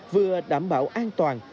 vừa đảm bảo an toàn